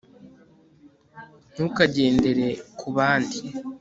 ntukagendere kubandi